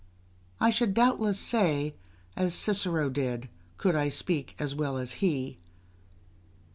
I should doubtless say, as Cicero did, could I speak as well as he.